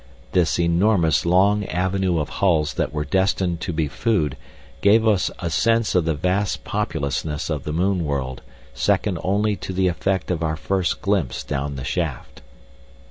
This enormous long avenue of hulls that were destined to be food gave us a sense of the vast populousness of the moon world second only to the effect of our first glimpse down the shaft.